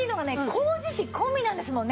工事費込みなんですもんね。